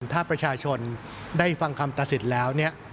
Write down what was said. ถ้าประชาชนได้ฟังคำตัดสินแล้วเนี่ย